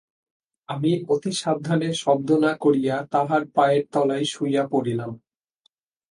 আমি অতি সাবধানে শব্দ না করিয়া তাঁহার পায়ের তলায় শুইয়া পড়িলাম।